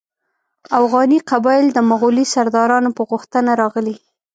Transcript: اوغاني قبایل د مغولي سردارانو په غوښتنه راغلي.